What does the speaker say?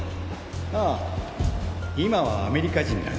ああ今はアメリカ人だが。